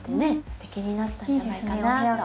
すてきになったんじゃないかなって。